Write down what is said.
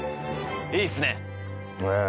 いいっすね。